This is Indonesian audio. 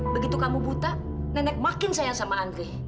begitu kamu buta nenek makin sayang sama andri